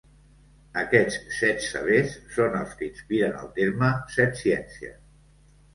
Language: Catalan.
Aquests set sabers són els que inspiren el terme "setciències".